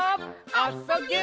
「あ・そ・ぎゅ」